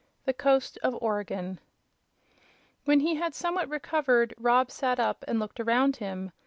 The Coast of Oregon When he had somewhat recovered, Rob sat up and looked around him.